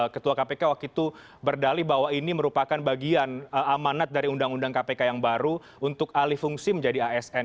ketua kpk waktu itu berdali bahwa ini merupakan bagian amanat dari undang undang kpk yang baru untuk alih fungsi menjadi asn